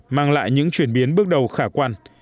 mang lại những chuyển biến bước đầu khả quan